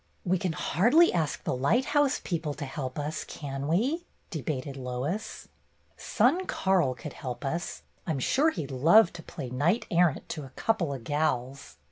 "We can hardly ask the lighthouse people to help us, can we ?" debated Lois. "Son Karl could help us. I 'm sure he 'd love to play knight errant to 'a couple o' gals.